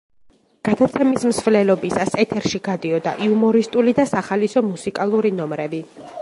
გადაცემის მსვლელობისას ეთერში გადიოდა იუმორისტული და სახალისო მუსიკალური ნომრები.